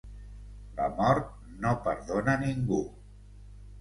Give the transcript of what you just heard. La mort no perdona ningú.